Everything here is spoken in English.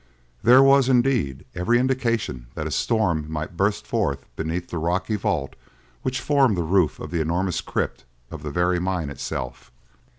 There was, indeed, every indication that a storm might burst forth beneath the rocky vault which formed the roof of the enormous crypt of the very mine itself.